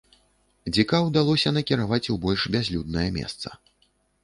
Дзіка ўдалося накіраваць у больш бязлюднае месца.